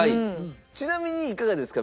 ちなみにいかがですか？